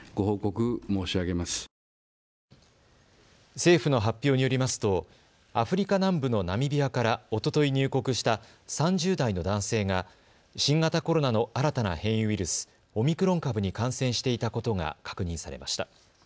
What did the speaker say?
政府の発表によりますとアフリカ南部のナミビアからおととい入国した３０代の男性が新型コロナの新たな変異ウイルス、オミクロン株に感染していたことが確認されました。